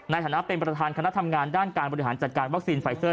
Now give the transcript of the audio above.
ในฐานะเป็นประธานคณะทำงานด้านการบริหารจัดการวัคซีนไฟเซอร์